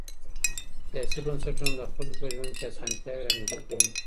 سياسي بنسټونه د خلګو په ژوند کي اسانتياوې رامنځته کوي.